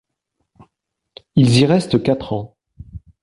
Ils y restent quatre ans.